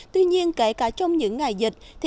tuy nhiên kể cả trong những ngày dịch